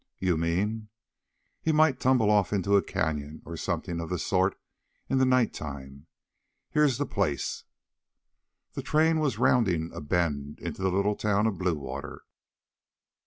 "You mean?" "He might tumble off into a canyon, or something of the sort, in the night time. Here's the place." The train was rounding a bend into the little town of Bluewater.